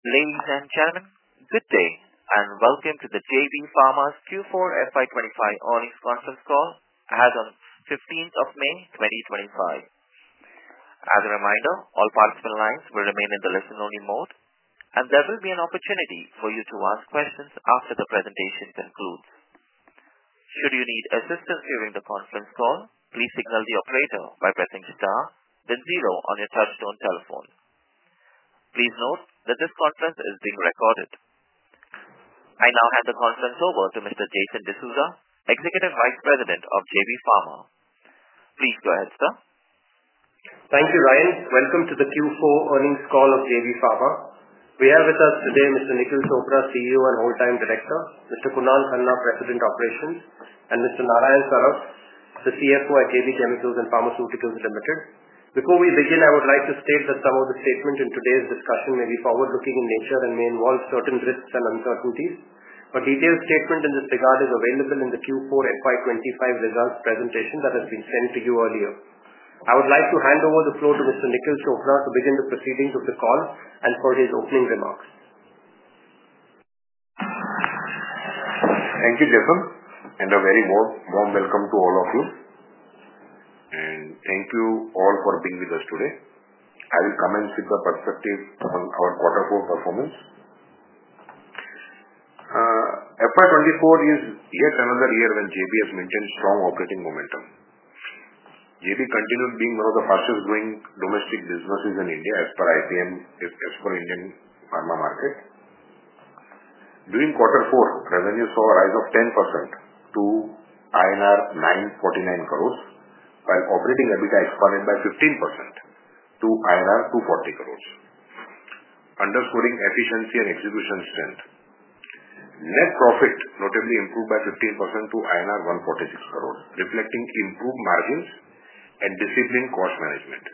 Ladies and gentlemen, good day and welcome to the JB Pharma's Q4 FY2025 earnings conference call ahead on 15th of May 2025. As a reminder, all participant lines will remain in the listen-only mode, and there will be an opportunity for you to ask questions after the presentation concludes. Should you need assistance during the conference call, please signal the operator by pressing star, then zero on your touchstone telephone. Please note that this conference is being recorded. I now hand the conference over to Mr. Jason D'souza, Executive Vice President of JB Pharma. Please go ahead, sir. Thank you, Ryan. Welcome to the Q4 earnings call of JB Pharma. We have with us today Mr. Nikhil Chopra, CEO and Whole-Time Director; Mr. Kunal Khanna, President Operations; and Mr. Narayan Saraf, the CFO at JB Chemicals & Pharmaceuticals. Before we begin, I would like to state that some of the statements in today's discussion may be forward-looking in nature and may involve certain risks and uncertainties. A detailed statement in this regard is available in the Q4 FY2025 results presentation that has been sent to you earlier. I would like to hand over the floor to Mr. Nikhil Chopra to begin the proceedings of the call and for his opening remarks. Thank you, Jason, and a very warm welcome to all of you. Thank you all for being with us today. I will comment with the perspective on our quarter four performance. FY2024 is yet another year when JB has maintained strong operating momentum. JB continued being one of the fastest-growing domestic businesses in India as per IPM, as per Indian pharma market. During quarter four, revenues saw a rise of 10% to INR 949 crores, while operating EBITDA expanded by 15% to INR 240 crores, underscoring efficiency and execution strength. Net profit notably improved by 15% to INR 146 crores, reflecting improved margins and disciplined cost management.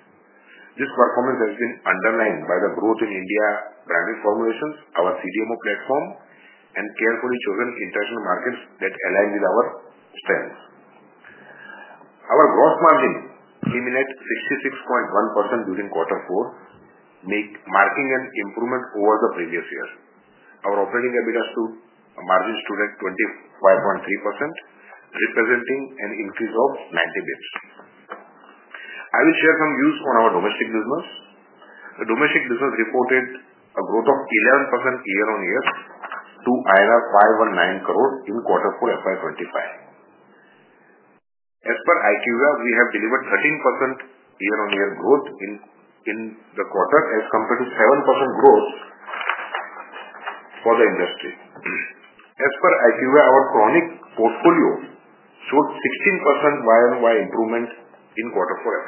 This performance has been underlined by the growth in India branded formulations, our CDMO platform, and carefully chosen international markets that align with our strengths. Our gross margin [Chimming at] 66.1% during quarter four, marking an improvement over the previous year. Our operating EBITDA stood at 25.3%, representing an increase of 90 basis points. I will share some views on our domestic business. The domestic business reported a growth of 11% year-on-year to 519 crore in quarter four 2025. As per IQVIA, we have delivered 13% year-on-year growth in the quarter as compared to 7% growth for the industry. As per IQVIA, our chronic portfolio showed 16% year-on-year improvement in quarter four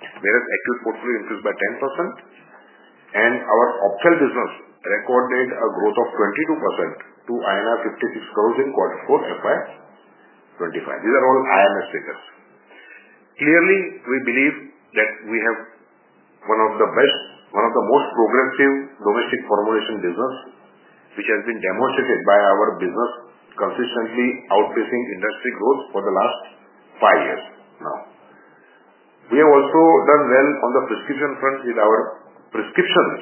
2025, whereas acute portfolio increased by 10%, and our opt-health business recorded a growth of 22% to INR 56 crore in quarter four 2025. These are all IMS figures. Clearly, we believe that we have one of the best, one of the most progressive domestic formulation business, which has been demonstrated by our business consistently outpacing industry growth for the last five years now. We have also done well on the prescription front with our prescriptions,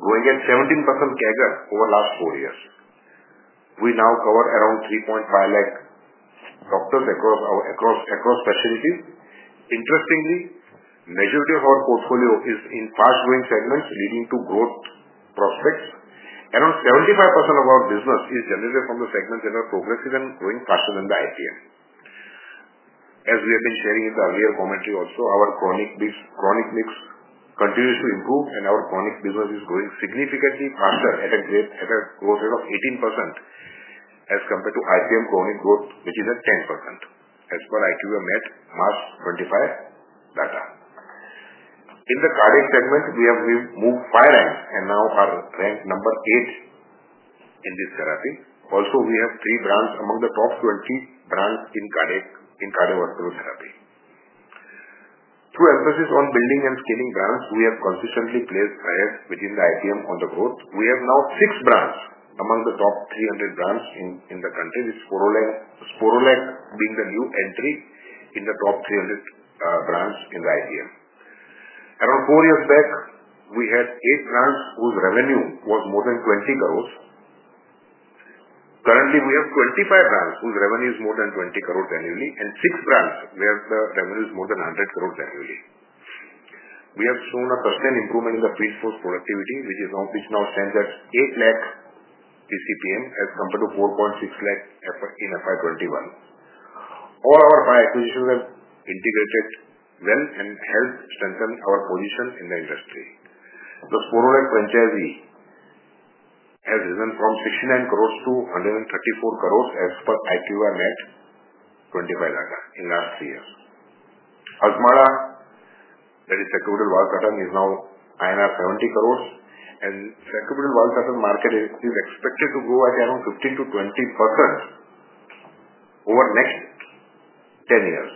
growing at 17% CAGR over the last four years. We now cover around 350,000 doctors across specialties. Interestingly, the majority of our portfolio is in fast-growing segments, leading to growth prospects. Around 75% of our business is generated from the segments that are progressive and growing faster than the IPM. As we have been sharing in the earlier commentary also, our chronic mix continues to improve, and our chronic business is growing significantly faster at a growth rate of 18% as compared to IPM chronic growth, which is at 10%, as per IQVIA MET March 25 data. In the cardiac segment, we have moved five ranks and now are ranked number eight in this therapy. Also, we have three brands among the top 20 brands in cardiovascular therapy. Through emphasis on building and scaling brands, we have consistently placed higher within the IPM on the growth. We have now six brands among the top 300 brands in the country, with Sporolac being the new entry in the top 300 brands in the IPM. Around four years back, we had eight brands whose revenue was more than 20 crore. Currently, we have 25 brands whose revenue is more than 20 crore annually, and six brands where the revenue is more than 100 crore annually. We have shown a sustained improvement in the field force productivity, which now stands at 800,000 PCPM as compared to 460,000 in FY2021. All our acquisitions have integrated well and helped strengthen our position in the industry. The Sporolac franchise has risen from 690 million to 1,340 million as per IQVIA MAT 25 data in the last three years. Azmara, that is sacubitril-valsartan, is now INR 70 crores, and the sacubitril-valsartan market is expected to grow at around 15%-20% over the next 10-15 years.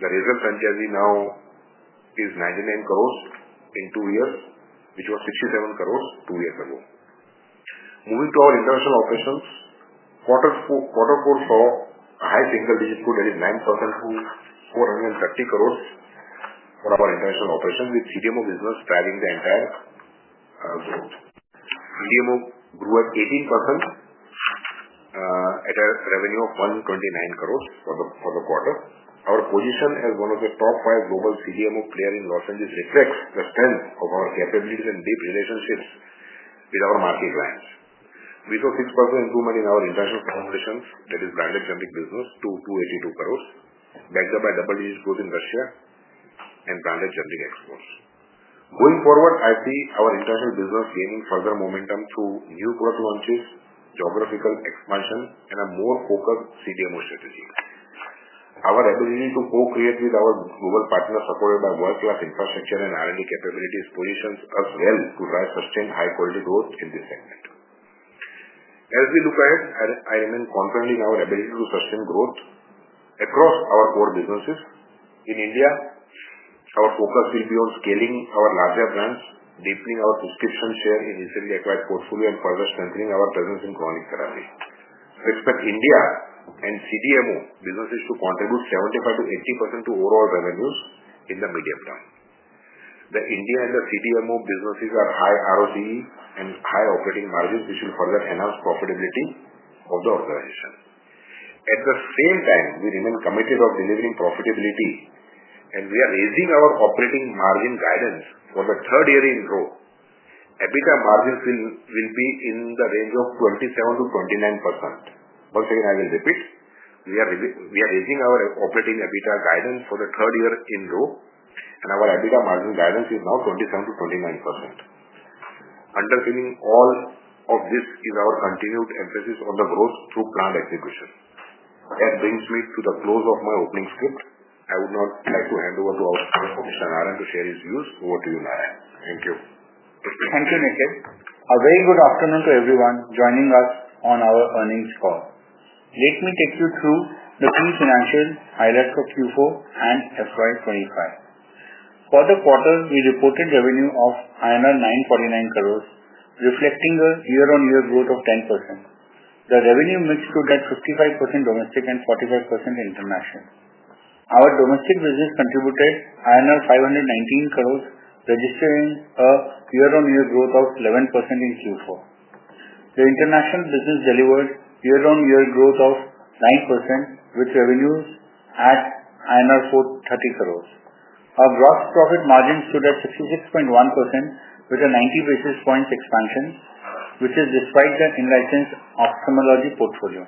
The Razel franchise now is 99 crores in two years, which was 67 crores two years ago. Moving to our international operations, quarter four saw a high single-digit growth at 9% to 430 crores for our international operations, with CDMO business driving the entire growth. CDMO grew at 18% at a revenue of 129 crores for the quarter. Our position as one of the top five global CDMO players in Los Angeles reflects the strength of our capabilities and deep relationships with our market clients. We saw 6% improvement in our international formulations, that is, branded generics business to 282 crores, backed up by double-digit growth in Russia and branded generics exports. Going forward, I see our international business gaining further momentum through new product launches, geographical expansion, and a more focused CDMO strategy. Our ability to co-create with our global partners supported by world-class infrastructure and R&D capabilities positions us well to drive sustained high-quality growth in this segment. As we look ahead, I remain confident in our ability to sustain growth across our core businesses. In India, our focus will be on scaling our larger brands, deepening our prescription share in recently acquired portfolio, and further strengthening our presence in chronic therapy. We expect India and CDMO businesses to contribute 75%-80% to overall revenues in the medium term. The India and the CDMO businesses are high ROCE and high operating margins, which will further enhance the profitability of the organization. At the same time, we remain committed to delivering profitability, and we are raising our operating margin guidance for the third year in a row. EBITDA margins will be in the range of 27%-29%. Once again, I will repeat, we are raising our operating EBITDA guidance for the third year in a row, and our EBITDA margin guidance is now 27%-29%. Underpinning all of this is our continued emphasis on the growth through planned execution. That brings me to the close of my opening script. I would now like to hand over to our Commissioner, Narayan, to share his views. Over to you, Narayan. Thank you. Thank you, Nikhil. A very good afternoon to everyone joining us on our earnings call. Let me take you through the key financial highlights of Q4 and FY2025. For the quarter, we reported revenue of 949 crores, reflecting a year-on-year growth of 10%. The revenue mix stood at 55% domestic and 45% international. Our domestic business contributed INR 519 crores, registering a year-on-year growth of 11% in Q4. The international business delivered year-on-year growth of 9%, with revenues at 430 crores. Our gross profit margin stood at 66.1%, with a 90 basis points expansion, which is despite the in-license ophthalmology portfolio.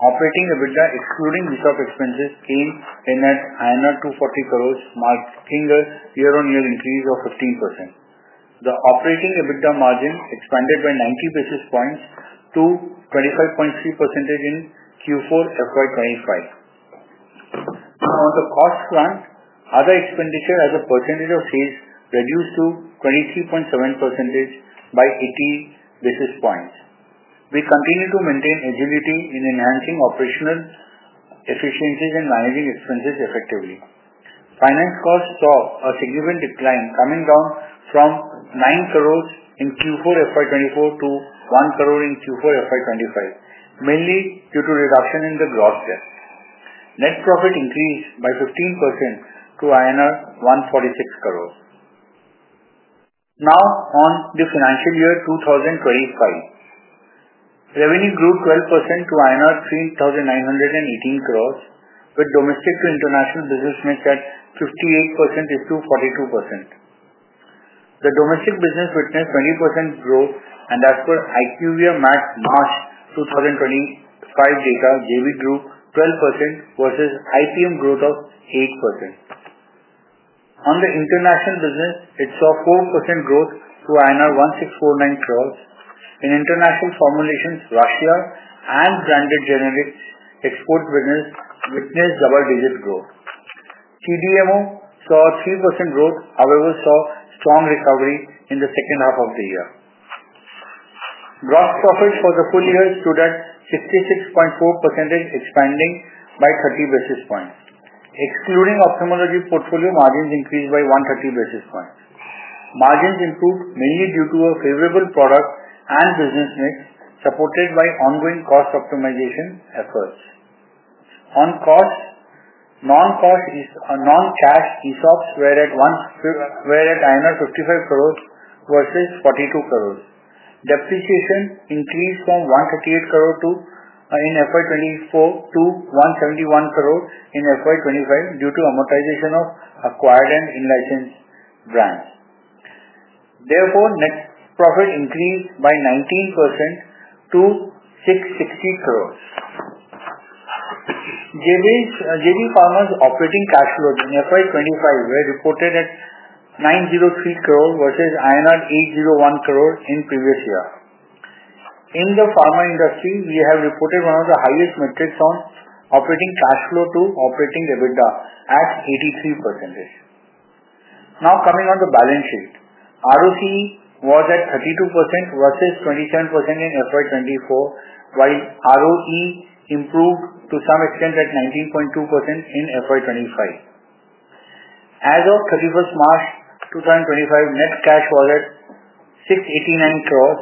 Operating EBITDA, excluding resource expenses, came in at 240 crores, marking a year-on-year increase of 15%. The operating EBITDA margin expanded by 90 basis points to 25.3% in Q4 FY2025. On the cost front, other expenditure as a percentage of sales reduced to 23.7% by 80 basis points. We continue to maintain agility in enhancing operational efficiencies and managing expenses effectively. Finance costs saw a significant decline, coming down from 9 crore in Q4 FY2024 to 1 crore in Q4 FY2025, mainly due to reduction in the gross debt. Net profit increased by 15% to INR 146 crore. Now, on the financial year 2025, revenue grew 12% to INR 3,918 crore, with domestic to international business mix at 58% to 42%. The domestic business witnessed 20% growth, and as per IQVIA MET March 2025 data, JB grew 12% versus IPM growth of 8%. On the international business, it saw 4% growth to INR 1,649 crore. In international formulations, Russia and branded generic export business witnessed double-digit growth. CDMO saw 3% growth, however, saw strong recovery in the second half of the year. Gross profit for the full year stood at 56.4%, expanding by 30 basis points. Excluding ophthalmology portfolio, margins increased by 130 basis points. Margins improved mainly due to a favorable product and business mix supported by ongoing cost optimization efforts. On costs, non-cash ESOPs were at 55 crores versus 42 crores. Depreciation increased from 138 crores in FY2024 to 171 crores in FY2025 due to amortization of acquired and in-license brands. Therefore, net profit increased by 19% to INR 660 crores. JB Pharma's operating cash flow in FY2025 was reported at 903 crores versus INR 801 crores in the previous year. In the pharma industry, we have reported one of the highest metrics on operating cash flow to operating EBITDA at 83%. Now, coming on the balance sheet, ROCE was at 32% versus 27% in FY 2024, while ROE improved to some extent at 19.2% in FY 2025. As of 31st March 2025, net cash was at 689 crore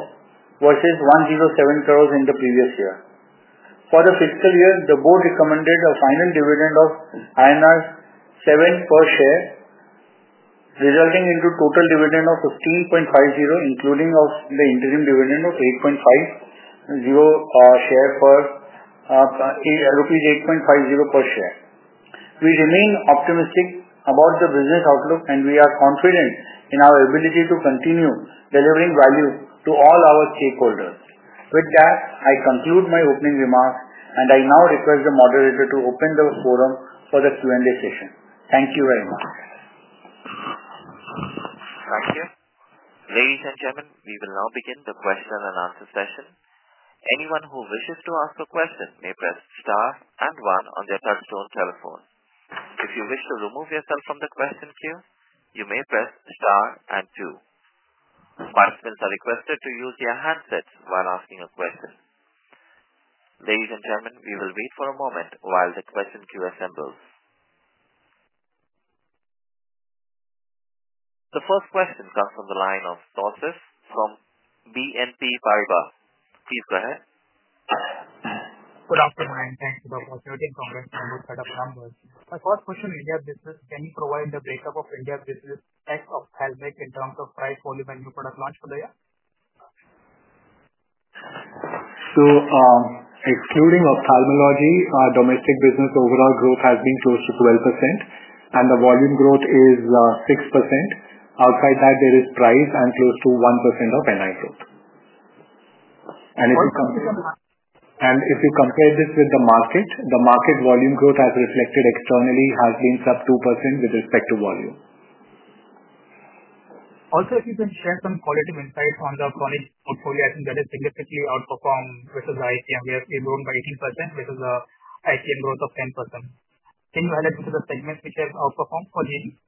versus 107 crore in the previous year. For the fiscal year, the board recommended a final dividend of INR 7 per share, resulting in a total dividend of 15.50, including the interim dividend of rupees 8.50 per share. We remain optimistic about the business outlook, and we are confident in our ability to continue delivering value to all our stakeholders. With that, I conclude my opening remarks, and I now request the moderator to open the forum for the Q&A session. Thank you very much. Thank you. Ladies and gentlemen, we will now begin the question and answer session. Anyone who wishes to ask a question may press star and one on their touchstone telephone. If you wish to remove yourself from the question queue, you may press star and two. Participants are requested to use their handsets while asking a question. Ladies and gentlemen, we will wait for a moment while the question queue assembles. The first question comes from the line of sources from BNP Paribas. Please go ahead. Good afternoon. Thanks for the opportunity to comment on those set of numbers. My first question on India business: can you provide the breakup of India business, techs, ophthalmic in terms of price, volume, and new product launch for the year? Excluding ophthalmology, domestic business overall growth has been close to 12%, and the volume growth is 6%. Outside that, there is price and close to 1% of NI growth. If you compare this with the market, the market volume growth as reflected externally has been sub 2% with respect to volume. Also, if you can share some qualitative insights on the chronic portfolio, I think that has significantly outperformed versus the IPM, whereas we are growing by 18% versus the IPM growth of 10%. Can you highlight which of the segments which have outperformed or did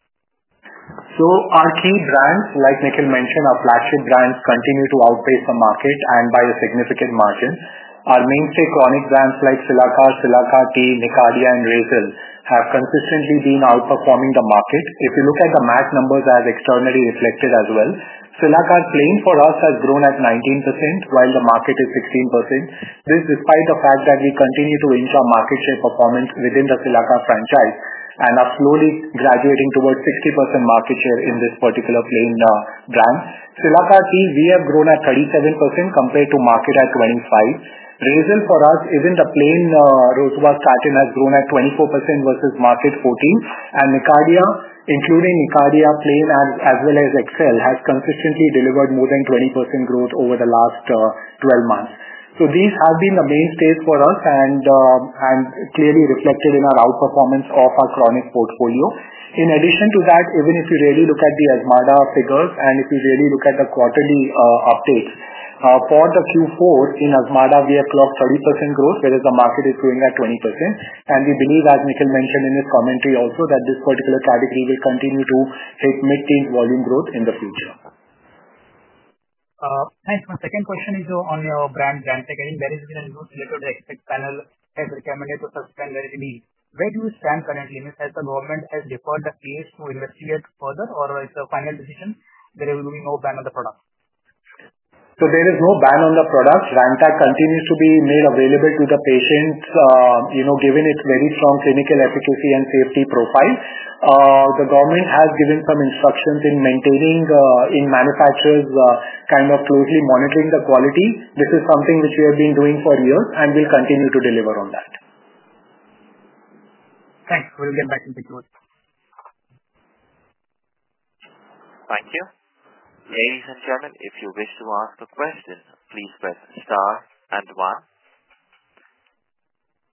not? Our key brands, like Nikhil mentioned, our flagship brands continue to outpace the market and by a significant margin. Our mainstay chronic brands like Silacar, Silacar T, Nicardia, and Razel have consistently been outperforming the market. If you look at the MAC numbers as externally reflected as well, Silacar's claim for us has grown at 19%, while the market is 16%. This is despite the fact that we continue to inch our market share performance within the Silacar franchise and are slowly graduating towards 60% market share in this particular plain brand. Silacar T, we have grown at 37% compared to market at 25%. Razel for us, even the plain Rosuvastatin carton has grown at 24% versus market 14%. Nicardia, including Nicardia plain as well as XL, has consistently delivered more than 20% growth over the last 12 months. These have been the mainstays for us and clearly reflected in our outperformance of our chronic portfolio. In addition to that, even if you really look at the Azmara figures and if you really look at the quarterly updates, for Q4 in Azmara, we have clocked 30% growth, whereas the market is growing at 20%. We believe, as Nikhil mentioned in his commentary also, that this particular category will continue to hit mid-teens volume growth in the future. Thanks. My second question is on your brand, Rantech. I think there has been a news related to the expert panel has recommended to suspend the Rantech. Where do you stand currently? Means that the government has deferred the case to investigate further, or it's a final decision that there will be no ban on the product? There is no ban on the product. Rantech continues to be made available to the patients, given its very strong clinical efficacy and safety profile. The government has given some instructions in maintaining and manufacturers are kind of closely monitoring the quality. This is something which we have been doing for years and will continue to deliver on that. Thanks. We will get back to Nikhil. Thank you. Ladies and gentlemen, if you wish to ask a question, please press star and one.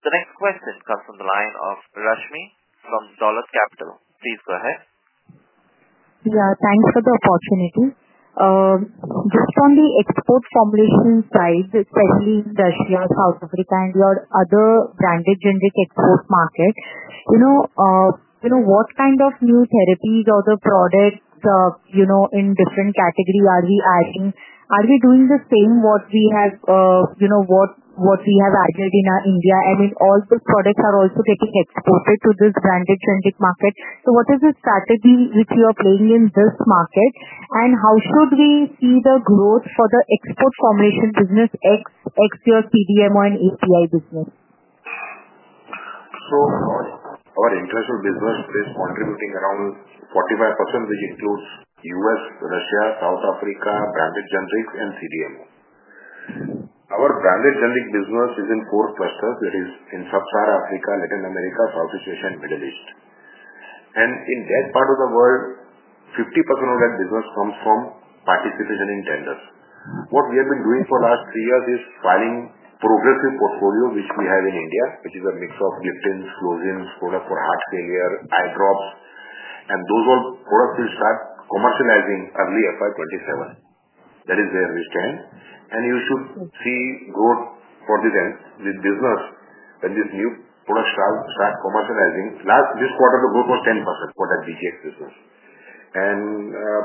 The next question comes from the line of Rashmmi from Dollard Capital. Please go ahead. Yeah, thanks for the opportunity. Just on the export formulation side, especially in Russia, South Africa, and your other branded generic export market, what kind of new therapies or the products in different categories are we adding? Are we doing the same what we have added in India? I mean, all the products are also getting exported to this branded generic market. What is the strategy which you are playing in this market, and how should we see the growth for the export formulation business, ex your CDMO and API business? Our international business is contributing around 45%, which includes US, Russia, South Africa, branded generics, and CDMO. Our branded generic business is in four clusters, that is, in Sub-Saharan Africa, Latin America, Southeast Asia, and Middle East. In that part of the world, 50% of that business comes from participation in tenders. What we have been doing for the last three years is filing progressive portfolio, which we have in India, which is a mix of liptins, flourine, products for heart failure, eye drops. Those products will start commercializing early FY2027. That is where we stand. You should see growth for this business when this new product starts commercializing. Last this quarter, the growth was 10% for that VGX business.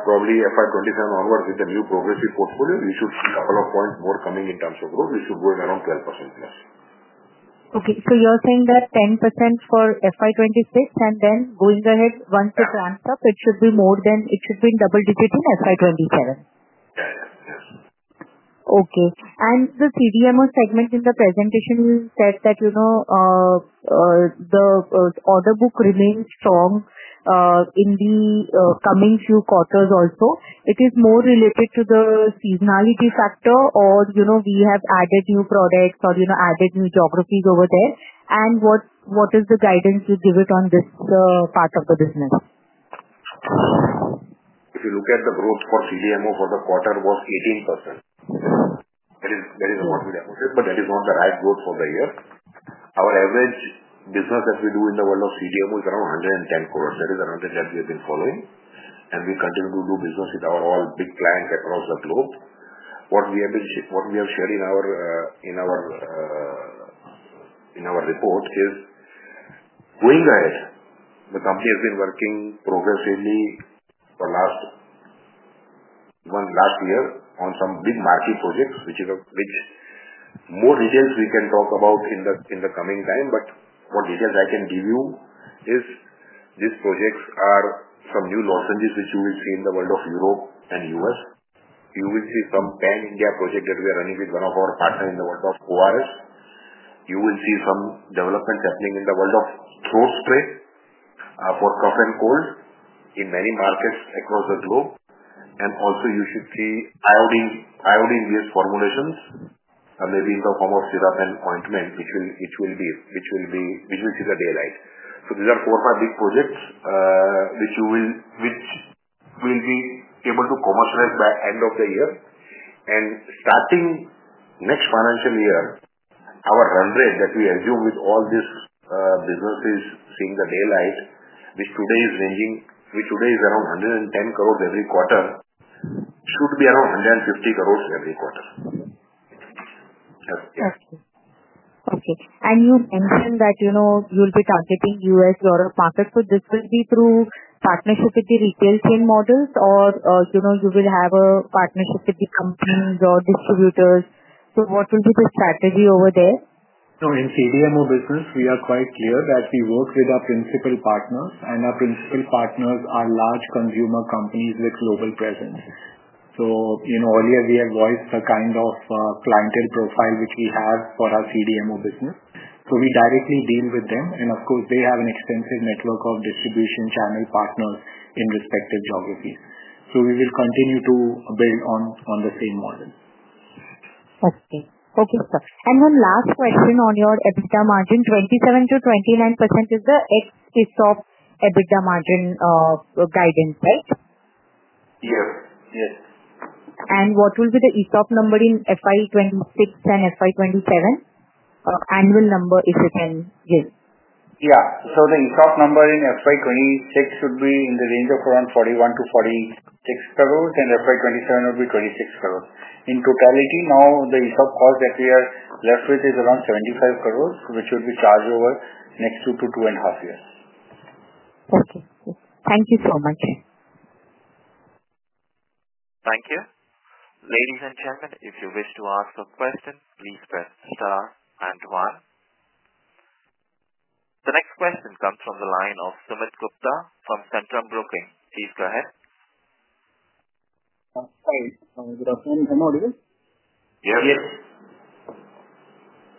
Probably FY2027 onwards, with the new progressive portfolio, you should see a couple of points more coming in terms of growth. We should be going around 12% plus. Okay. So, you're saying that 10% for FY26, and then going ahead, once it ramps up, it should be more than, it should be double-digit in FY27? Yeah, yes. Okay. The CDMO segment in the presentation, you said that the order book remains strong in the coming few quarters also. Is it more related to the seasonality factor, or have we added new products or added new geographies over there? What is the guidance you give on this part of the business? If you look at the growth for CDMO for the quarter, it was 18%. That is what we demonstrated, but that is not the right growth for the year. Our average business that we do in the world of CDMO is around 110 crore. That is the number that we have been following. We continue to do business with all our big clients across the globe. What we have shared in our report is, going ahead, the company has been working progressively for the last year on some big market projects, which more details we can talk about in the coming time. What details I can give you is, these projects are some new lozenges which you will see in the world of Europe and United States. You will see some pan-India project that we are running with one of our partners in the world of ORS. You will see some developments happening in the world of throat spray for cough and cold in many markets across the globe. You should also see iodine-based formulations, maybe in the form of syrup and ointment, which will see the daylight. These are four or five big projects which we will be able to commercialize by the end of the year. Starting next financial year, our run rate that we assume with all these businesses seeing the daylight, which today is ranging around 110 crore every quarter, should be around 150 crore every quarter. Okay. You mentioned that you'll be targeting U.S. market. This will be through partnership with the retail chain models, or you will have a partnership with the companies or distributors? What will be the strategy over there? In CDMO business, we are quite clear that we work with our principal partners, and our principal partners are large consumer companies with global presence. Earlier, we have voiced the kind of clientele profile which we have for our CDMO business. We directly deal with them, and of course, they have an extensive network of distribution channel partners in respective geographies. We will continue to build on the same model. Okay. Okay. And one last question on your EBITDA margin, 27-29% is the ex ESOP EBITDA margin guidance, right? Yes, yes. What will be the ESOP number in FY26 and FY27? Annual number, if you can give. Yeah. The ESOP number in FY2026 should be in the range of 41-46 crore, and FY2027 will be 26 crore. In totality, now the ESOP cost that we are left with is around 75 crore, which should be charged over the next two to two and a half years. Okay. Thank you so much. Thank you. Ladies and gentlemen, if you wish to ask a question, please press star and one. The next question comes from the line of Sumit Gupta from Centrum Broking. Please go ahead. Hi. Good afternoon. I'm audible. Yes. Yes.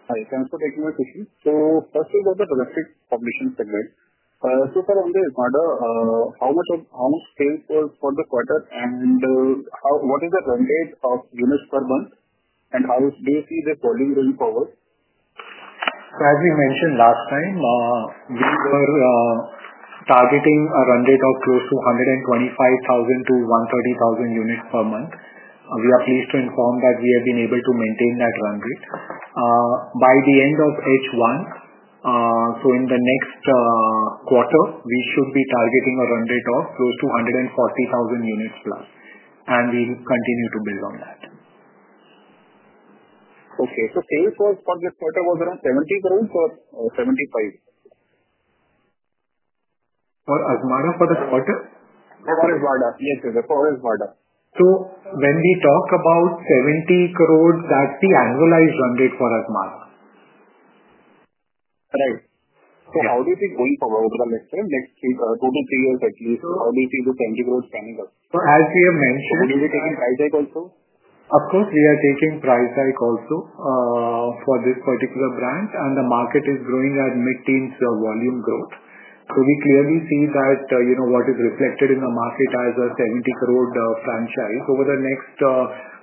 Hi. Thanks for taking my question. First, we'll go to the direct formulation segment. So far, on the RMDA, how much sales for the quarter, and what is the run rate of units per month, and how do you see the volume going forward? As we mentioned last time, we were targeting a run rate of close to 125,000-130,000 units per month. We are pleased to inform that we have been able to maintain that run rate. By the end of H1, in the next quarter, we should be targeting a run rate of close to 140,000 units plus, and we will continue to build on that. Okay. So, sales for this quarter was around 70 crore or 75 crore? For Azmara for the quarter? For Azmara. Yes, yes, for Azmara. When we talk about 70 crore, that's the annualized run rate for Azmara. Right. So, how do you see going forward over the next two to three years, at least? How do you see the INR 70 crore spanning up? As we have mentioned. Will you be taking price hike also? Of course, we are taking price hike also for this particular brand, and the market is growing at mid-teens volume growth. We clearly see that what is reflected in the market as a 70 crore franchise. Over the next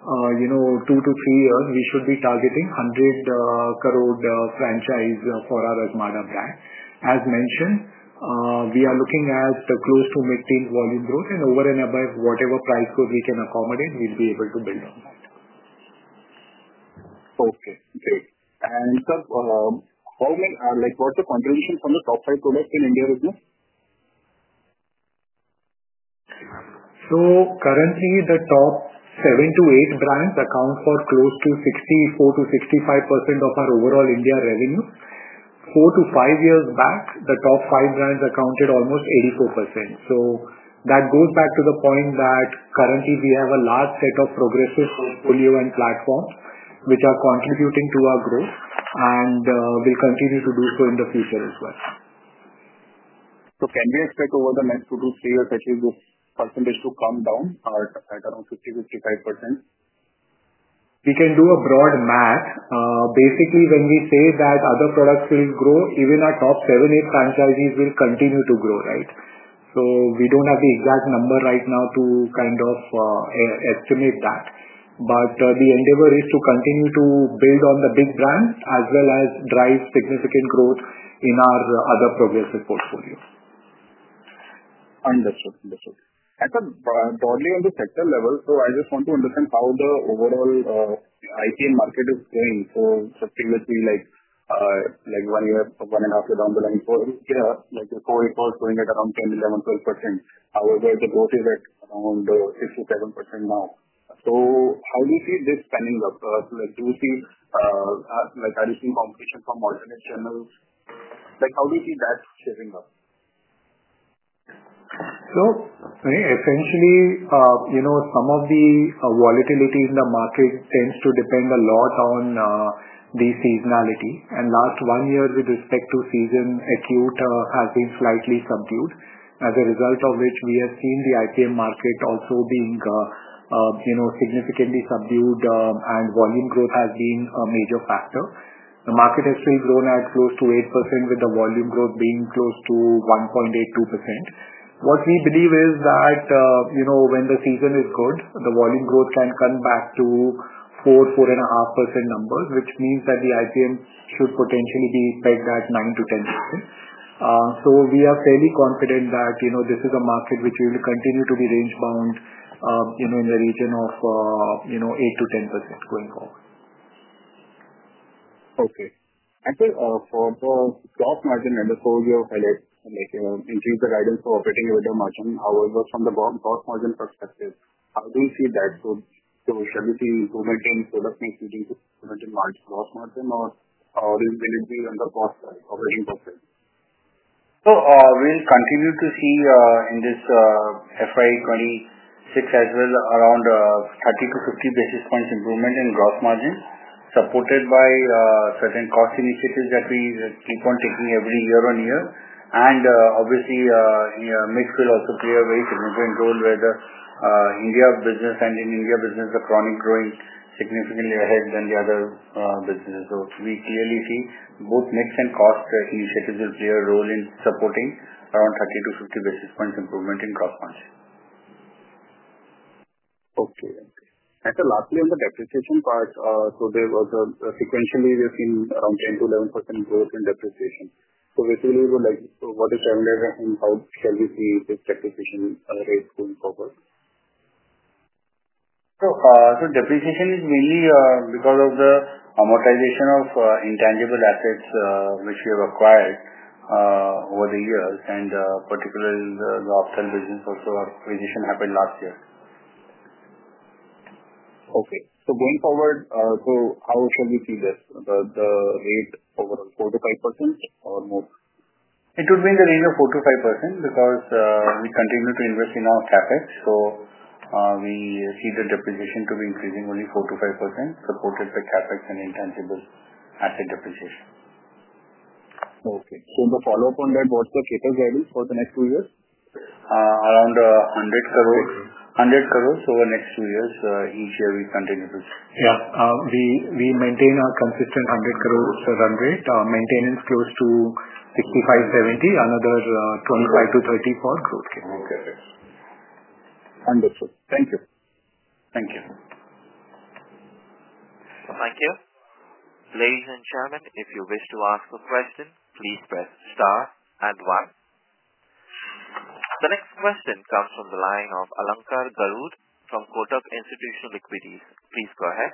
two to three years, we should be targeting 100 crore franchise for our Azmara brand. As mentioned, we are looking at close to mid-teens volume growth, and over and above whatever price growth we can accommodate, we'll be able to build on that. Okay. Great. Sir, what's the contribution from the top five products in India business? Currently, the top seven to eight brands account for close to 64-65% of our overall India revenue. Four to five years back, the top five brands accounted for almost 84%. That goes back to the point that currently, we have a large set of progressive portfolio and platforms which are contributing to our growth and will continue to do so in the future as well. Can we expect over the next two to three years, actually, this percentage to come down at around 50-55%? We can do a broad math. Basically, when we say that other products will grow, even our top seven, eight franchises will continue to grow, right? We do not have the exact number right now to kind of estimate that. The endeavor is to continue to build on the big brands as well as drive significant growth in our other progressive portfolio. Understood. Understood. At a broadly on the sector level, I just want to understand how the overall IT market is going. Just previously, like one year or one and a half years down the line for India, before it was going at around 10-12%. However, the growth is at around 6-7% now. How do you see this spanning up? Do you see additional competition from alternate channels? How do you see that shifting up? Essentially, some of the volatility in the market tends to depend a lot on the seasonality. In the last one year with respect to season, acute has been slightly subdued, as a result of which we have seen the IPM market also being significantly subdued, and volume growth has been a major factor. The market has still grown at close to 8% with the volume growth being close to 1.82%. What we believe is that when the season is good, the volume growth can come back to 4-4.5% numbers, which means that the IPM should potentially be pegged at 9-10%. We are fairly confident that this is a market which will continue to be range-bound in the region of 8-10% going forward. Okay. Sir, for the gross margin end of all, you have highlighted increase the guidance for operating EBITDA margin. However, from the gross margin perspective, how do you see that? Shall we see improvement in product maintenance, improvement in gross margin, or will it be on the gross operating profit? We will continue to see in this FY2026 as well around 30-50 basis points improvement in gross margin, supported by certain cost initiatives that we keep on taking every year on year. Obviously, mix will also play a very significant role where the India business and in India business, the chronic growing significantly ahead than the other businesses. We clearly see both mix and cost initiatives will play a role in supporting around 30-50 basis points improvement in gross margin. Okay. Sir, lastly, on the depreciation part, there was a sequentially we have seen around 10-11% growth in depreciation. Basically, what is the calendar and how shall we see this depreciation rate going forward? Depreciation is mainly because of the amortization of intangible assets which we have acquired over the years, and particularly the off-the-shelf business also acquisition happened last year. Okay. So, going forward, how shall we see this? The rate overall, 4-5% or more? It would be in the range of 4-5% because we continue to invest in our CapEx. We see the depreciation to be increasing only 4-5%, supported by CapEx and intangible asset depreciation. Okay. So, in the follow-up on that, what's the CapEx readiness for the next two years? Around INR 100 crore. 100 crores. 100 crores over the next two years. Each year, we continue to. Yeah. We maintain our consistent 100 crores run rate. Maintenance close to 65-70 crores, another 25-30 crores for growth CapEx. Okay. Understood. Thank you. Thank you. Thank you. Ladies and gentlemen, if you wish to ask a question, please press star and one. The next question comes from the line of Alankar Garud from Kotak Institutional Equities. Please go ahead.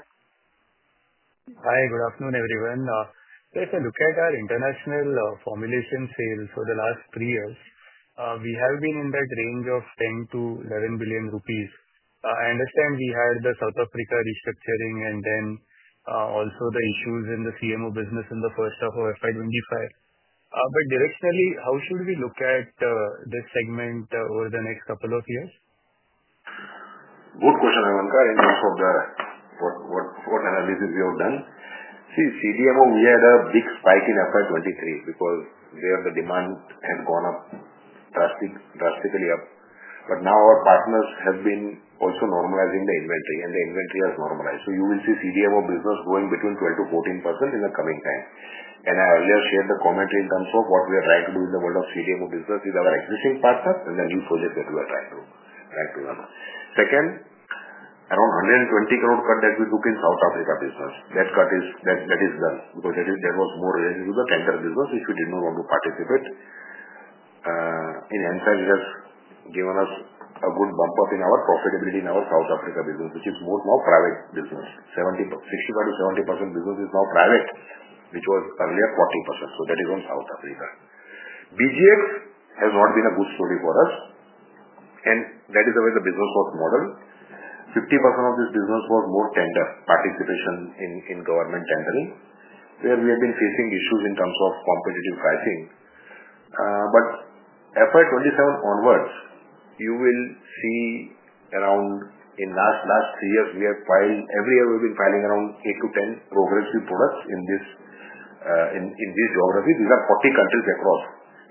Hi. Good afternoon, everyone. If I look at our international formulation sales over the last three years, we have been in that range of 10 billion-11 billion rupees. I understand we had the South Africa restructuring and then also the issues in the CMO business in the first half of FY2025. Directionally, how should we look at this segment over the next couple of years? Good question, Alankar, in terms of what analysis we have done. See, CDMO, we had a big spike in FY 2023 because the demand had gone up drastically up. Now our partners have been also normalizing the inventory, and the inventory has normalized. You will see CDMO business growing between 12-14% in the coming time. I earlier shared the commentary in terms of what we are trying to do in the world of CDMO business with our existing partners and the new projects that we are trying to run. Second, around 120 crore cut that we took in South Africa business, that cut is done because that was more related to the tender business which we did not want to participate in. That has given us a good bump up in our profitability in our South Africa business, which is more now private business. 65%-70% business is now private, which was earlier 40%. That is on South Africa. BGX has not been a good story for us, and that is the way the business was modeled. 50% of this business was more tender participation in government tendering, where we have been facing issues in terms of competitive pricing. FY2027 onwards, you will see around in the last three years, we have filed every year, we've been filing around 8-10 progressive products in these geographies. These are 40 countries across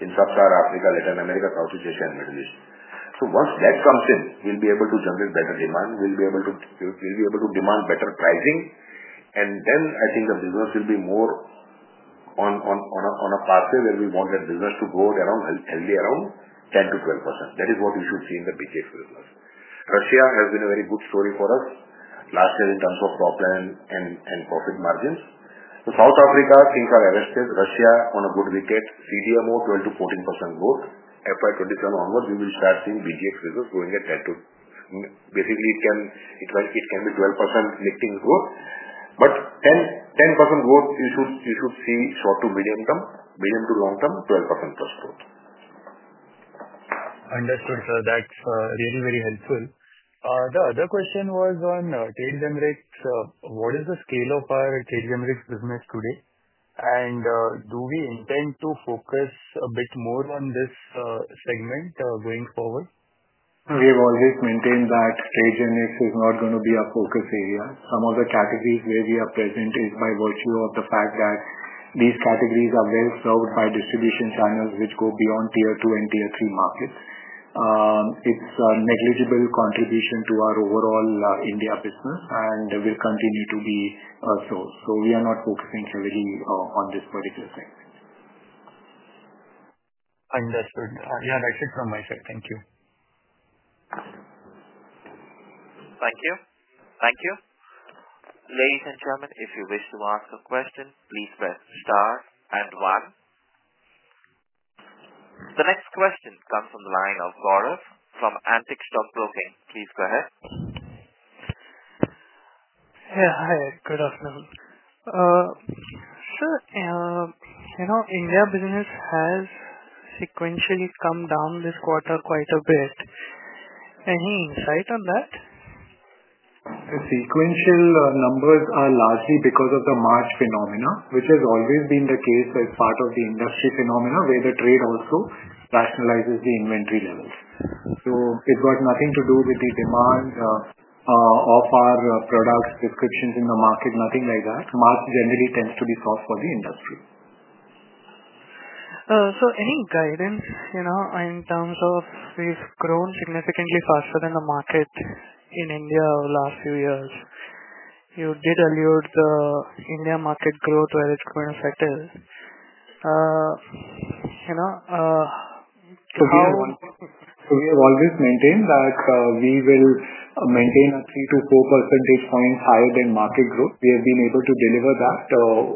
in Sub-Saharan Africa, Latin America, South East Asia, and Middle East. Once that comes in, we'll be able to generate better demand. We'll be able to demand better pricing, and then I think the business will be more on a pathway where we want that business to grow heavily around 10%-12%. That is what we should see in the BGX business. Russia has been a very good story for us last year in terms of profit and profit margins. South Africa, things are arrested. Russia on a good wicket. CDMO 12%-14% growth. FY2027 onwards, we will start seeing BGX business growing at 10% to basically, it can be 12% lifting growth. But 10% growth, you should see short to medium term, medium to long term, 12% plus growth. Understood, sir. That is really, really helpful. The other question was on trade generics. What is the scale of our trade generics business today? Do we intend to focus a bit more on this segment going forward? We have always maintained that trade generics is not going to be our focus area. Some of the categories where we are present is by virtue of the fact that these categories are well served by distribution channels which go beyond tier two and tier three markets. It is a negligible contribution to our overall India business, and will continue to be so. We are not focusing heavily on this particular segment. Understood. Yeah, that's it from my side. Thank you. Thank you. Thank you. Ladies and gentlemen, if you wish to ask a question, please press star and one. The next question comes from the line of Gaurav from Antique Stock Broking. Please go ahead. Yeah. Hi. Good afternoon. Sir, India business has sequentially come down this quarter quite a bit. Any insight on that? The sequential numbers are largely because of the March phenomena, which has always been the case as part of the industry phenomena where the trade also rationalizes the inventory levels. It has got nothing to do with the demand of our products, descriptions in the market, nothing like that. March generally tends to be soft for the industry. Any guidance in terms of we've grown significantly faster than the market in India over the last few years? You did allude the India market growth where it's going to settle. So, how? We have always maintained that we will maintain a 3-4 percentage points higher than market growth. We have been able to deliver that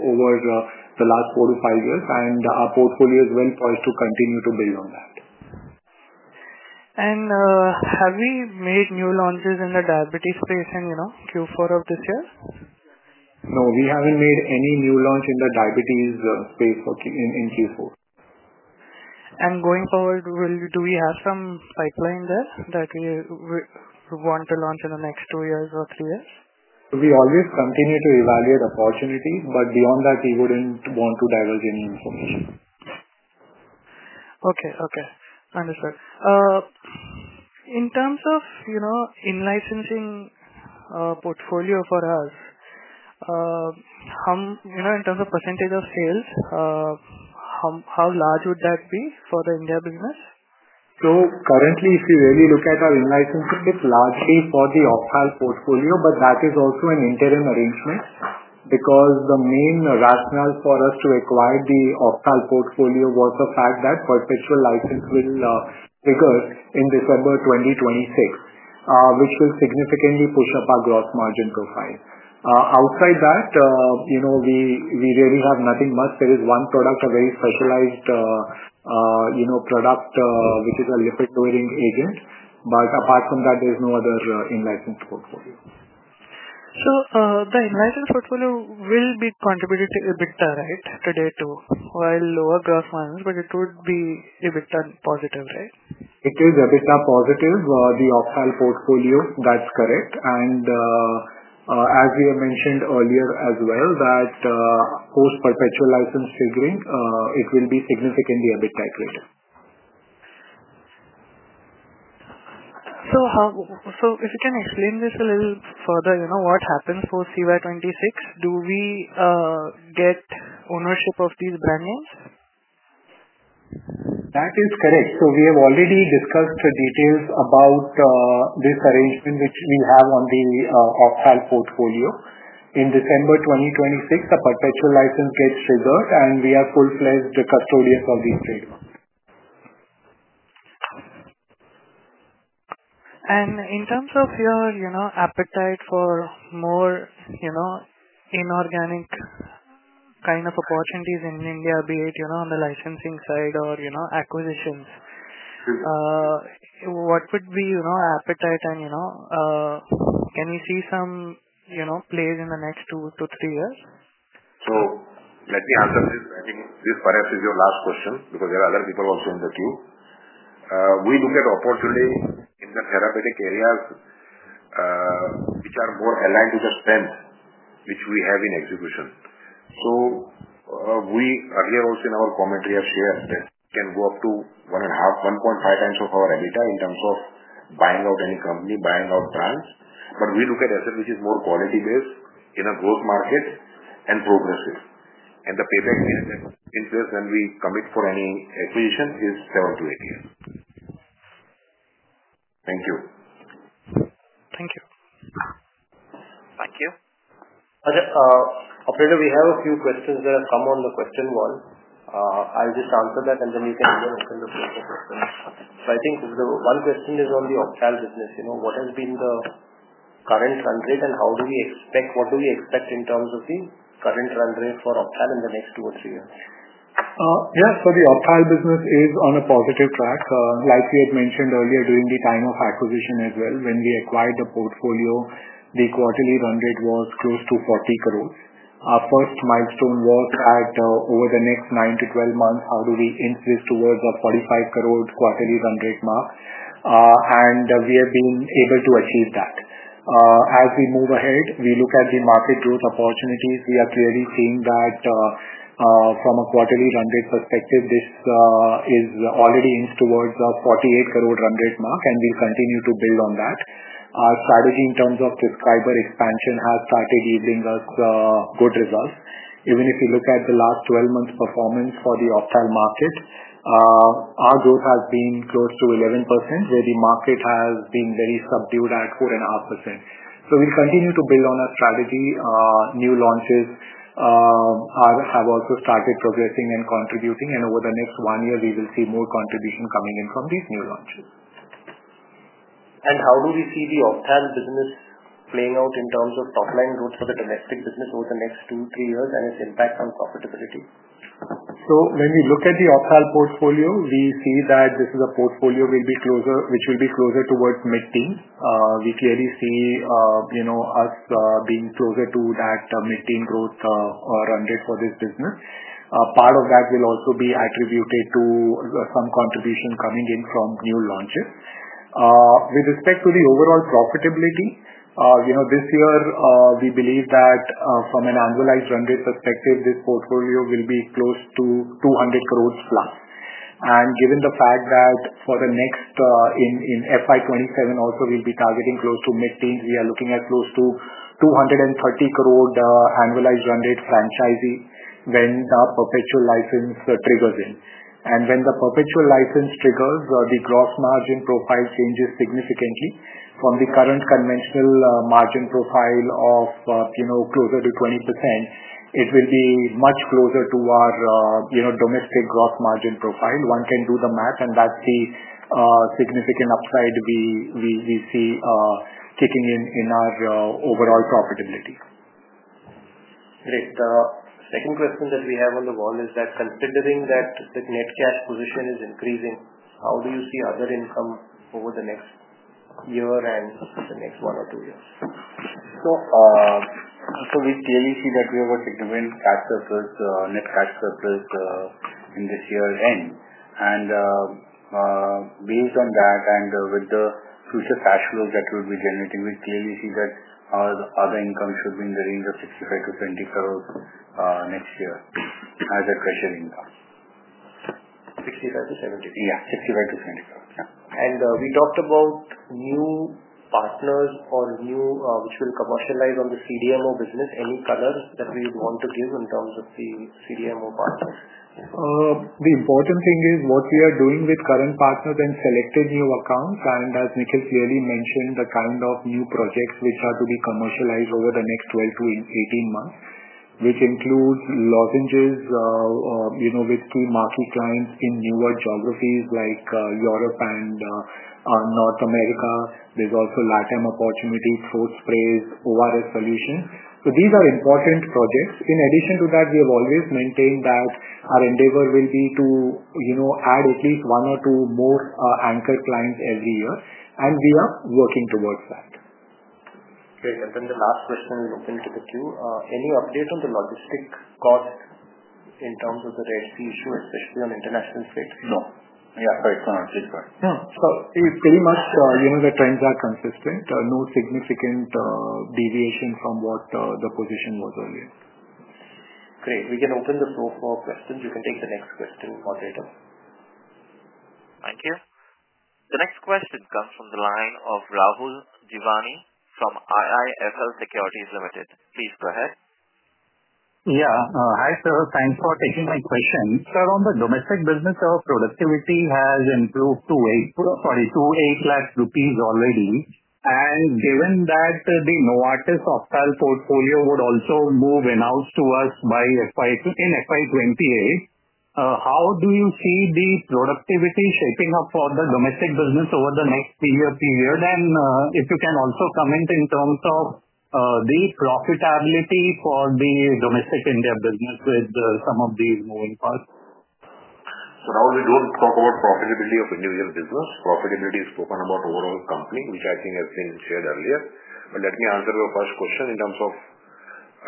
over the last four to five years, and our portfolio is well poised to continue to build on that. Have we made new launches in the diabetes space in Q4 of this year? No, we haven't made any new launch in the diabetes space in Q4. Do we have some pipeline there that we want to launch in the next two years or three years? We always continue to evaluate opportunities, but beyond that, we wouldn't want to divulge any information. Okay. Okay. Understood. In terms of in-licensing portfolio for us, in terms of percentage of sales, how large would that be for the India business? Currently, if you really look at our in-licensing, it's largely for the off-the-shelf portfolio, but that is also an interim arrangement because the main rationale for us to acquire the off-the-shelf portfolio was the fact that perpetual license will trigger in December 2026, which will significantly push up our gross margin profile. Outside that, we really have nothing much. There is one product, a very specialized product, which is a lipid lowering agent. Apart from that, there is no other in-licensed portfolio. The in-licensed portfolio will be contributed to EBITDA, right? Today too, while lower gross ones, but it would be EBITDA positive, right? It is EBITDA positive, the off-the-shelf portfolio. That's correct. As we have mentioned earlier as well, that post-perpetual license triggering, it will be significantly EBITDA accretive. If you can explain this a little further, what happens post CY2026? Do we get ownership of these brand names? That is correct. We have already discussed the details about this arrangement which we have on the off-the-shelf portfolio. In December 2026, a perpetual license gets triggered, and we are full-fledged custodians of these trademarks. In terms of your appetite for more inorganic kind of opportunities in India, be it on the licensing side or acquisitions, what would be your appetite? Can we see some players in the next two to three years? Let me answer this. I think this perhaps is your last question because there are other people also in the queue. We look at opportunity in the therapeutic areas which are more aligned to the spend which we have in execution. We earlier also in our commentary have shared that we can go up to 1.5 times of our EBITDA in terms of buying out any company, buying out brands. We look at asset which is more quality-based in a growth market and progressive. The payback period that is in place when we commit for any acquisition is 7-8 years. Thank you. Thank you. Thank you. Okay. Operator, we have a few questions that have come on the question wall. I'll just answer that, and then you can go and open the floor for questions. I think the one question is on the off-the-shelf business. What has been the current run rate and how do we expect, what do we expect in terms of the current run rate for off-the-shelf in the next two or three years? Yeah. The off-the-shelf business is on a positive track. Like we had mentioned earlier during the time of acquisition as well, when we acquired the portfolio, the quarterly run rate was close to 40 crore. Our first milestone was that over the next 9-12 months, how do we increase towards a 45 crore quarterly run rate mark? We have been able to achieve that. As we move ahead, we look at the market growth opportunities. We are clearly seeing that from a quarterly run rate perspective, this is already in towards a 48 crore run rate mark, and we'll continue to build on that. Our strategy in terms of prescriber expansion has started yielding us good results. Even if you look at the last 12 months' performance for the off-the-shelf market, our growth has been close to 11%, where the market has been very subdued at 4.5%. We will continue to build on our strategy. New launches have also started progressing and contributing, and over the next one year, we will see more contribution coming in from these new launches. How do we see the off-the-shelf business playing out in terms of top-line growth for the domestic business over the next two to three years and its impact on profitability? When we look at the off-the-shelf portfolio, we see that this is a portfolio which will be closer towards mid-teen. We clearly see us being closer to that mid-teen growth run rate for this business. Part of that will also be attributed to some contribution coming in from new launches. With respect to the overall profitability, this year, we believe that from an annualized run rate perspective, this portfolio will be close to 2.00 billion plus. Given the fact that for the next in FY 2027, also, we'll be targeting close to mid-teens, we are looking at close to 2.30 billion annualized run rate franchisee when the perpetual license triggers in. When the perpetual license triggers, the gross margin profile changes significantly. From the current conventional margin profile of closer to 20%, it will be much closer to our domestic gross margin profile. One can do the math, and that's the significant upside we see kicking in our overall profitability. Great. The second question that we have on the wall is that considering that the net cash position is increasing, how do you see other income over the next year and the next one or two years? We clearly see that we have a significant net cash surplus in this year's end. Based on that and with the future cash flows that we'll be generating, we clearly see that our other income should be in the range of 65 crore-70 crore next year as a treasury income. 65-70? Yeah, 65-70 crore. We talked about new partners or new which will commercialize on the CDMO business. Any colors that we would want to give in terms of the CDMO partners? The important thing is what we are doing with current partners and selected new accounts. As Nikhil clearly mentioned, the kind of new projects which are to be commercialized over the next 12-18 months, which includes lozenges with key marquee clients in newer geographies like Europe and North America. There is also LATAM opportunity, throat sprays, ORS solutions. These are important projects. In addition to that, we have always maintained that our endeavor will be to add at least one or two more anchor clients every year, and we are working towards that. Great. Then the last question, we open to the queue. Any update on the logistic cost in terms of the Red Sea issue, especially on international trade? No. Yeah. Sorry, go on. Please go ahead. Pretty much the trends are consistent. No significant deviation from what the position was earlier. Great. We can open the floor for questions. You can take the next question, Operator. Thank you. The next question comes from the line of Rahul Jivani from IIFL Securities Limited. Please go ahead. Yeah. Hi, sir. Thanks for taking my question. Sir, on the domestic business, our productivity has improved to 2.8 million rupees already. Given that the Novartis off-the-shelf portfolio would also move in-house to us in FY2028, how do you see the productivity shaping up for the domestic business over the next three year period? If you can also comment in terms of the profitability for the domestic India business with some of these moving parts. Now, we do not talk about profitability of the new year business. Profitability is spoken about overall company, which I think has been shared earlier. Let me answer your first question in terms of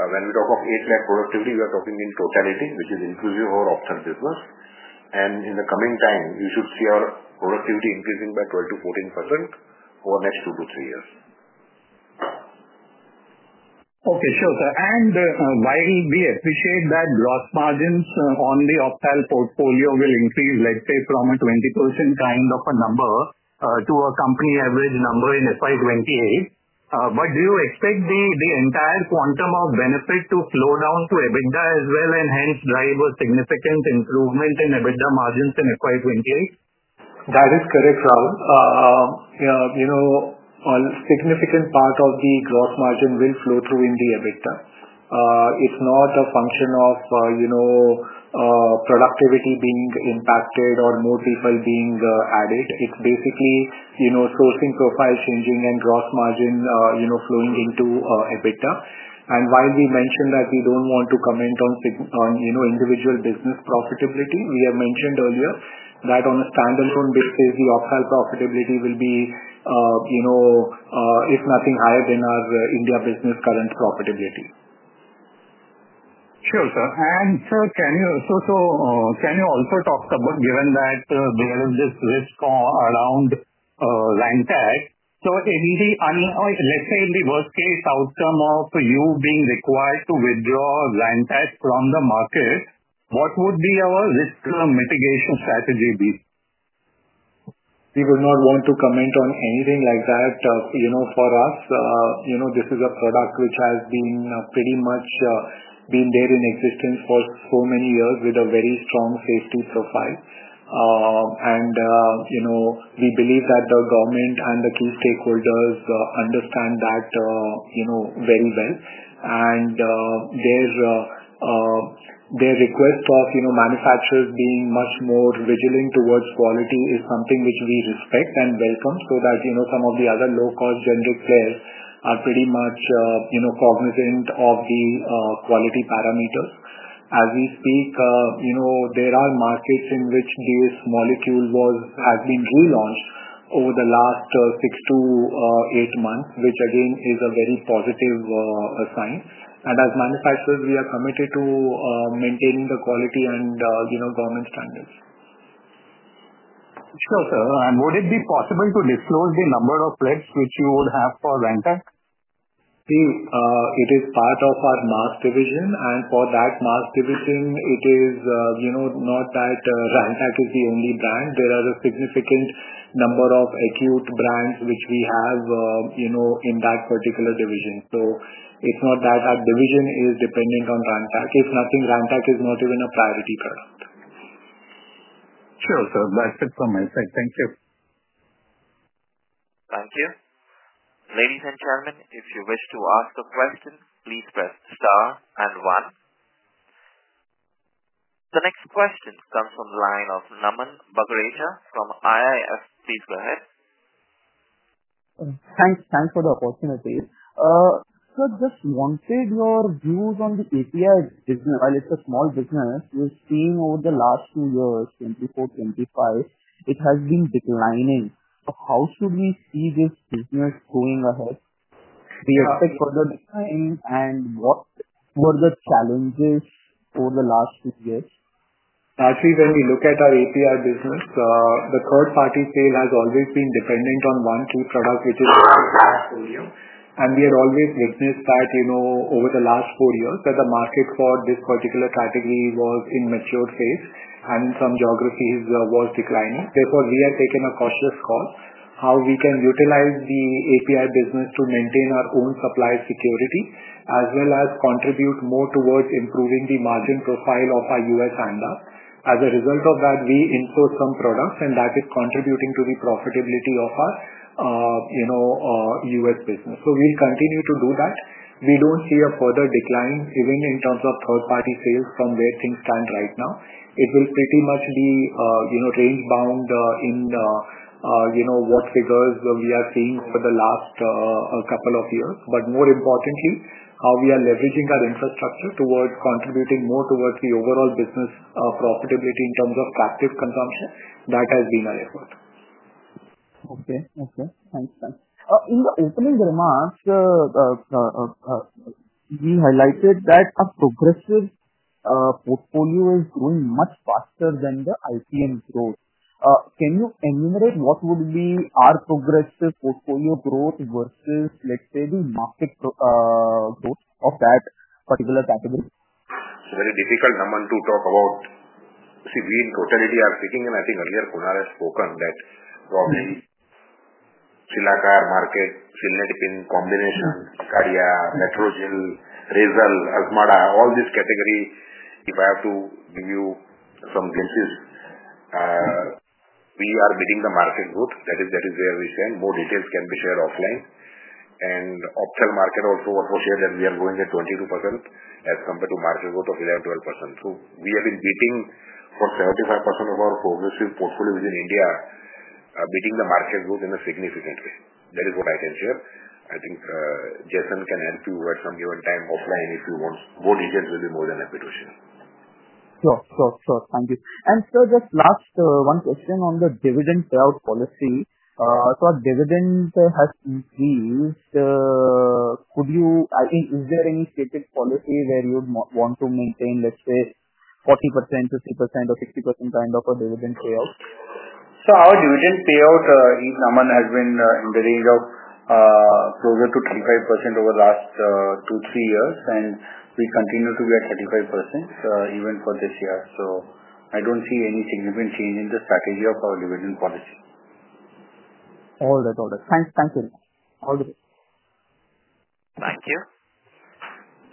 when we talk of INR 800,000 productivity, we are talking in totality, which is inclusive of our off-the-shelf business. In the coming time, you should see our productivity increasing by 12-14% over the next two to three years. Okay. Sure, sir. While we appreciate that gross margins on the off-the-shelf portfolio will increase, let's say, from a 20% kind of a number to a company average number in FY2028, do you expect the entire quantum of benefit to flow down to EBITDA as well and hence drive a significant improvement in EBITDA margins in FY2028? That is correct, Rahul. A significant part of the gross margin will flow through in the EBITDA. It's not a function of productivity being impacted or more people being added. It's basically sourcing profile changing and gross margin flowing into EBITDA. While we mentioned that we don't want to comment on individual business profitability, we have mentioned earlier that on a standalone basis, the off-the-shelf profitability will be, if nothing higher, than our India business current profitability. Sure, sir. Sir, can you also talk about, given that there is this risk around Zanta? Let's say in the worst case outcome of you being required to withdraw Zanta from the market, what would our risk mitigation strategy be? We would not want to comment on anything like that. For us, this is a product which has pretty much been there in existence for so many years with a very strong safety profile. We believe that the government and the key stakeholders understand that very well. Their request of manufacturers being much more vigilant towards quality is something which we respect and welcome so that some of the other low-cost generic players are pretty much cognizant of the quality parameters. As we speak, there are markets in which this molecule has been relaunched over the last six to eight months, which again is a very positive sign. As manufacturers, we are committed to maintaining the quality and government standards. Sure, sir. Would it be possible to disclose the number of plates which you would have for Zanta? It is part of our mass division. For that mass division, it is not that Zanta is the only brand. There are a significant number of acute brands which we have in that particular division. It is not that our division is dependent on Zanta. If nothing, Zanta is not even a priority product. Sure, sir. That's it from my side. Thank you. Thank you. Ladies and gentlemen, if you wish to ask a question, please press star and one. The next question comes from the line of Naman Bagrecha from IIFL Securities Limited. Please go ahead. Thanks. Thanks for the opportunity. Sir, just one thing. Your views on the API business, while it's a small business, you're seeing over the last two years, 2024, 2025, it has been declining. How should we see this business going ahead? Do you expect further decline and what were the challenges over the last two years? Actually, when we look at our API business, the third-party sale has always been dependent on one key product which is our portfolio. We had always witnessed that over the last four years that the market for this particular category was in mature phase and in some geographies was declining. Therefore, we have taken a cautious call how we can utilize the API business to maintain our own supply security as well as contribute more towards improving the margin profile of our U.S. handler. As a result of that, we insource some products, and that is contributing to the profitability of our U.S. business. We will continue to do that. We do not see a further decline, even in terms of third-party sales from where things stand right now. It will pretty much be range-bound in what figures we are seeing over the last couple of years. More importantly, how we are leveraging our infrastructure towards contributing more towards the overall business profitability in terms of captive consumption. That has been our effort. Okay. Okay. Thanks, sir. In the opening remarks, you highlighted that a progressive portfolio is growing much faster than the IPM growth. Can you enumerate what would be our progressive portfolio growth versus, let's say, the market growth of that particular category? It's very difficult, Naman, to talk about. See, we in totality are speaking, and I think earlier Kunal has spoken that probably Silacar market, Silnet in combination, Ikaria, Metrogyl, Razel, Azmarda, all these category, if I have to give you some glimpses, we are beating the market growth. That is where we stand. More details can be shared offline. Off-the-shelf market also was shared that we are growing at 22% as compared to market growth of 11-12%. We have been beating for 75% of our progressive portfolio within India, beating the market growth in a significant way. That is what I can share. I think Jason can help you at some given time offline if you want. Both agents will be more than happy to share. Sure. Thank you. Sir, just last one question on the dividend payout policy. Our dividend has increased. Is there any stated policy where you'd want to maintain, let's say, 40%, 50%, or 60% kind of a dividend payout? Our dividend payout, Naman, has been in the range of closer to 25% over the last two to three years, and we continue to be at 35% even for this year. I do not see any significant change in the strategy of our dividend policy. All right. Thanks. Thank you. Thank you.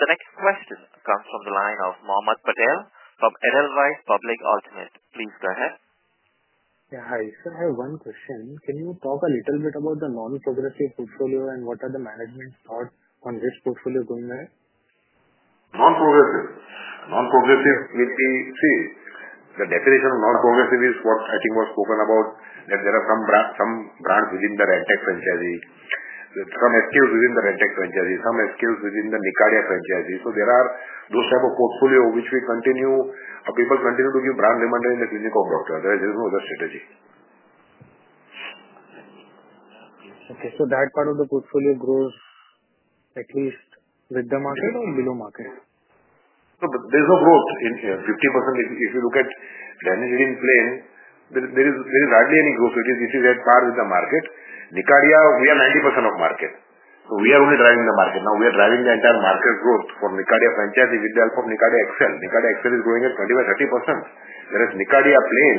The next question comes from the line of Mohammad Patel from Edelweiss Public Alternate. Please go ahead. Yeah. Hi, sir. I have one question. Can you talk a little bit about the non-progressive portfolio and what are the management thoughts on this portfolio going ahead? Non-progressive. Non-progressive will be, see, the definition of non-progressive is what I think was spoken about, that there are some brands within the Rantac franchise, some SKUs within the Rantac franchise, some SKUs within the Nicardia franchise. So, there are those types of portfolio which we continue. People continue to give brand reminder in the clinic of doctor. There is no other strategy. Okay. So, that part of the portfolio grows at least with the market or below market? There's no growth. 50%, if you look at planners in plain, there is hardly any growth. It is at par with the market. Nicardia, we are 90% of market. We are only driving the market. Now, we are driving the entire market growth for Nicardia franchise with the help of Nicardia XL. Nicardia XL is growing at 25-30%. Whereas Nicardia plain,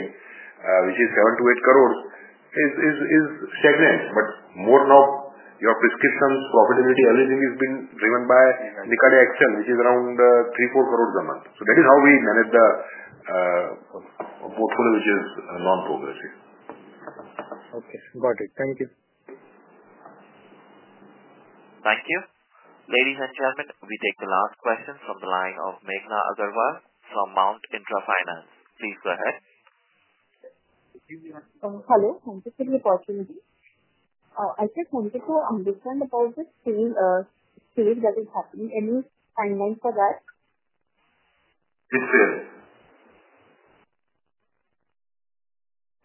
which is 7-8 crore, is stagnant. More now, your prescriptions, profitability, everything has been driven by Nicardia XL, which is around 3-4 crore a month. That is how we manage the portfolio which is non-progressive. Okay. Got it. Thank you. Thank you. Ladies and gentlemen, we take the last question from the line of Meghna Agarwal from Mount Indra Finance. Please go ahead. Hello. Thank you for the opportunity. I just wanted to understand about the sale that is happening. Any timeline for that? Which sale?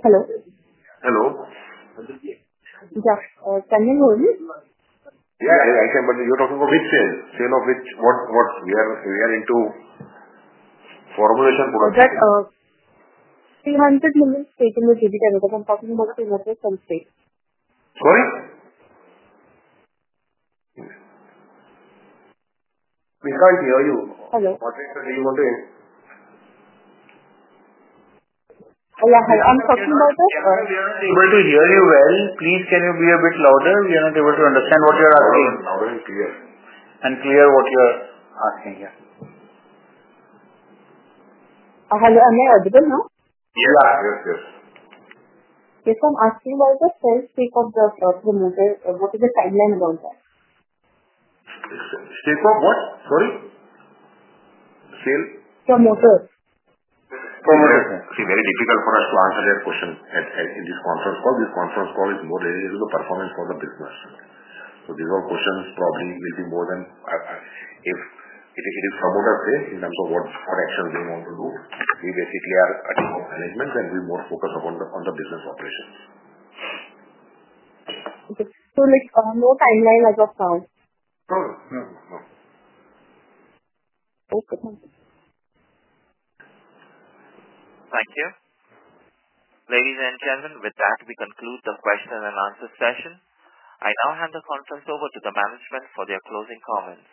Hello? Hello. Yeah. Can you hear me? Yeah. I can, but you're talking about which sale? Sale of which? What? We are into formulation production. 300 million stake in the JB Pharma, but I'm talking about 300% stake. Sorry? We can't hear you. Hello. What is it that you want to hear? Yeah, I'm talking about it. Able to hear you well. Please, can you be a bit louder? We are not able to understand what you're asking. Louder and clear. Clear what you're asking. Yeah. Hello. Am I audible now? Yeah. Yes. Yes. I'm asking about the sale stake of the promoter. What is the timeline about that? Stake of what? Sorry? Sale? Promoter. See, very difficult for us to answer that question in this conference call. This conference call is more related to the performance for the business. These all questions probably will be more than if it is promoter's say in terms of what actions they want to do. We basically are a team of management, and we more focus on the business operations. Okay. So, no timeline as of now? No. No. Okay. Thank you. Ladies and gentlemen, with that, we conclude the question and answer session. I now hand the conference over to the management for their closing comments.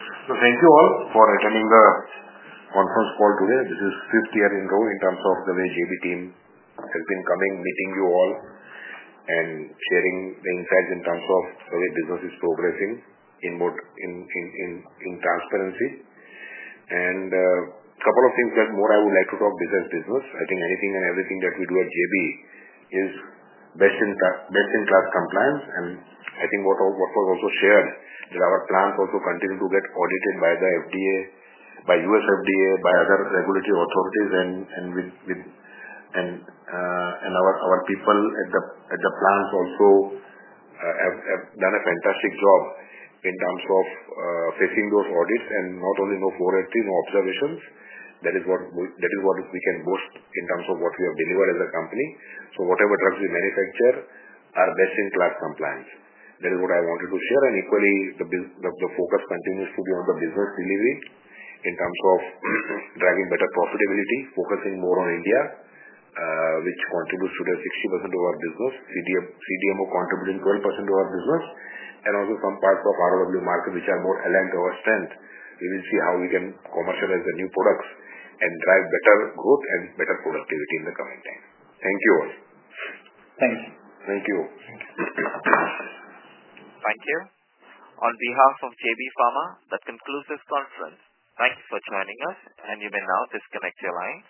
Thank you all for attending the conference call today. This is the fifth year in a row in terms of the way the JB team has been coming, meeting you all, and sharing the insights in terms of the way business is progressing in transparency. A couple of things that more I would like to talk business, business. I think anything and everything that we do at JB is best-in-class compliance. I think what was also shared is that our plants also continue to get audited by the US FDA, by other regulatory authorities, and our people at the plants also have done a fantastic job in terms of facing those audits. Not only no 403, no observations. That is what we can boast in terms of what we have delivered as a company. Whatever drugs we manufacture are best-in-class compliance. That is what I wanted to share. Equally, the focus continues to be on the business delivery in terms of driving better profitability, focusing more on India, which contributes to 60% of our business. CDMO contributing 12% of our business. Also, some parts of ROW market, which are more aligned to our strength. We will see how we can commercialize the new products and drive better growth and better productivity in the coming time. Thank you all. Thank you. Thank you. Thank you. On behalf of JB Pharma, that concludes this conference. Thank you for joining us, and you may now disconnect your line.